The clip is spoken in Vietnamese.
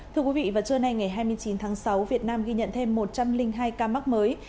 thưa quý vị vào trưa nay ngày hai mươi chín tháng sáu việt nam ghi nhận thêm một trăm linh hai ca mắc mới